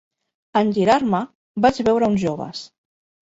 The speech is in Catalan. En girar-me, vaig veure uns joves